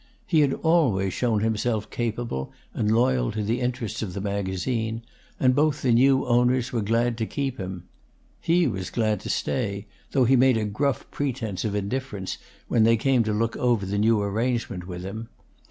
He had always shown himself capable and loyal to the interests of the magazine, and both the new owners were glad to keep him. He was glad to stay, though he made a gruff pretence of indifference, when they came to look over the new arrangement with him.